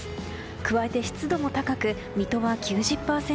加えて湿度も高く、水戸は９０％。